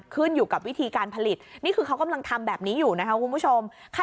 ขึ้นอยู่กับวิธีการผลิตนี่คือเขากำลังทำแบบนี้อยู่นะคะคุณผู้ชม